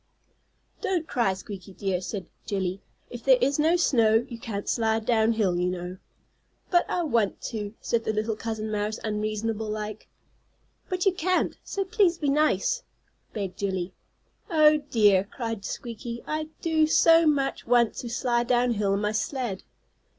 "Don't cry, Squeaky, dear," said Jillie. "If there is no snow you can't slide down hill, you know." "But I want to," said the little cousin mouse, unreasonable like. "But you can't; so please be nice," begged Jillie. "Oh, dear!" cried Squeaky. "I do so much want to slide down hill on my sled."